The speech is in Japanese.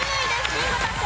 ビンゴ達成